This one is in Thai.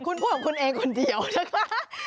คุณพูดกับคุณเองคนเดียวนะคะ